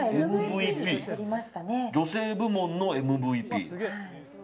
女性部門のＭＶＰ。